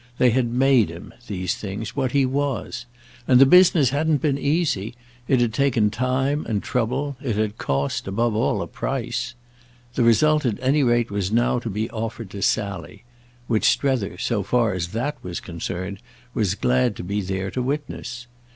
They had made him, these things, what he was, and the business hadn't been easy; it had taken time and trouble, it had cost, above all, a price. The result at any rate was now to be offered to Sally; which Strether, so far as that was concerned, was glad to be there to witness.